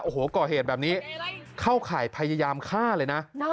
โอ้โหก่อเหตุแบบนี้เข้าข่ายพยายามฆ่าเลยนะ